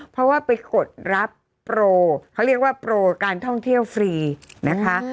เพราะว่าไปกดรับโปรเขาเรียกว่าโปรการท่องเที่ยวฟรีนะคะ